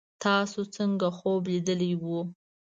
تاسو څنګه خوب لیدلی وو